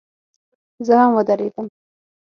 زه هم ودرېدم.